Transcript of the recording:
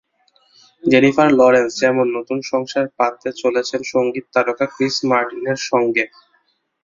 Jennifer Lawrence যেমন নতুন সংসার পাততে চলেছেন সংগীত তারকা ক্রিস মার্টিনের সঙ্গে।